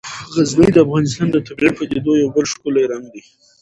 غزني د افغانستان د طبیعي پدیدو یو بل ښکلی رنګ دی.